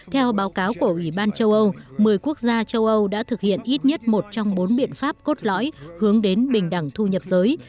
theo báo cáo của ủy ban châu âu một mươi quốc gia châu âu đã thực hiện ít nhất một trong bốn biện pháp cốt lõi hướng đến bình đẳng thu nhập giới